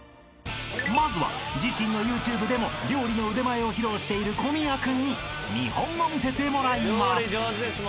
［まずは自身のＹｏｕＴｕｂｅでも料理の腕前を披露している小宮君に見本を見せてもらいます］